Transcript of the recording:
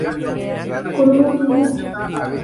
Corola tubular.